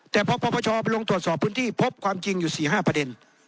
แต่พอปปชไปลงตรวจสอบพื้นที่พบความจริงอยู่๔๕ประเด็น